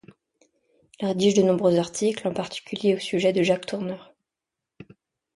Il rédige de nombreux articles, en particulier au sujet de Jacques Tourneur.